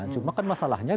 cuma kan masalahnya